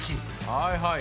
はいはい。